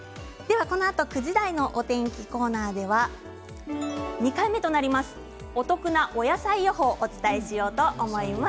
９時台のお天気コーナーには２回目となりますお得な、お野菜予報をお伝えします。